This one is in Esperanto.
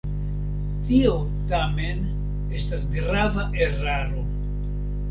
Tio, tamen, estas grava eraro.